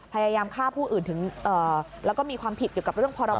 พยายามฆ่าผู้อื่นถึงแล้วก็มีความผิดเกี่ยวกับเรื่องพรบ